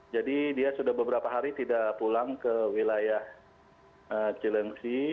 jadi dia sudah beberapa hari tidak pulang ke wilayah jelengsi